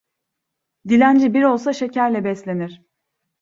Dilenci bir olsa şekerle beslenir.